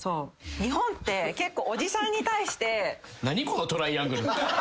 日本って結構おじさんに対して。